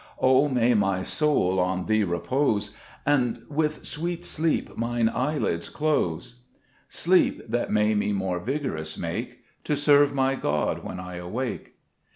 4 O may my soul on Thee repose, And with sweet sleep mine eyelids close ; Sleep that may me more vigorous make To serve my God when I awake.